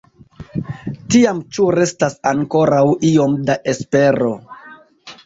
Tiam ĉu restas ankoraŭ iom da espero?